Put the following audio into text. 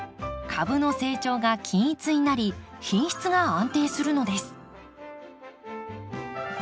株の成長が均一になり品質が安定するのです。